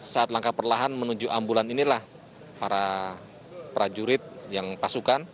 saat langkah perlahan menuju ambulan inilah para prajurit yang pasukan